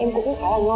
em cũng khá là nho